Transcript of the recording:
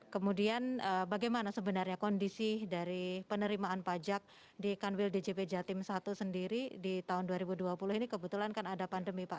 kemudian bagaimana sebenarnya kondisi dari penerimaan pajak di kanwil djp jatim satu sendiri di tahun dua ribu dua puluh ini kebetulan kan ada pandemi pak